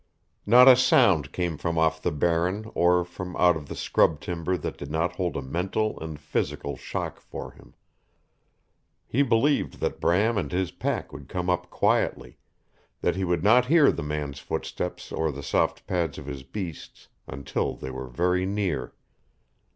Not a sound came from off the Barren or from out of the scrub timber that did not hold a mental and physical shock for him. He believed that Bram and his pack would come up quietly; that he would not hear the man's footsteps or the soft pads of his beasts until they were very near.